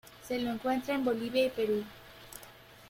Se lo encuentra en Bolivia y Perú.